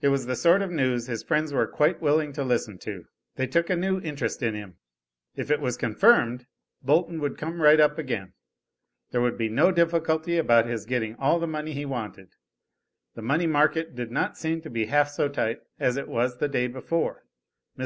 It was the sort of news his friends were quite willing to listen to. They took a new interest in him. If it was confirmed, Bolton would come right up again. There would be no difficulty about his getting all the money he wanted. The money market did not seem to be half so tight as it was the day before. Mr.